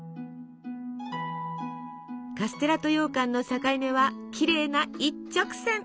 カステラとようかんの境目はきれいな一直線。